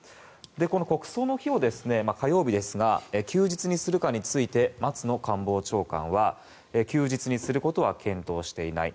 この国葬の日を火曜日ですが松野官房長官は休日にすることは検討していない。